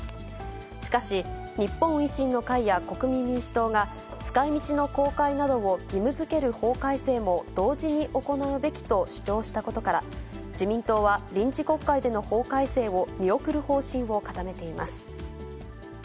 しかし、日本維新の会や国民民主党が、使いみちの公開などを義務づける法改正も同時に行うべきと主張したことから、自民党は臨時国会での法改正を見送る方針を固めています。